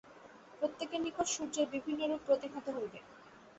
প্রত্যেকের নিকট সূর্যের বিভিন্ন রূপ প্রতিভাত হইবে।